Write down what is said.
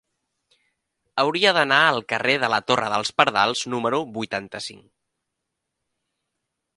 Hauria d'anar al carrer de la Torre dels Pardals número vuitanta-cinc.